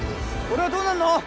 俺はどうなるの？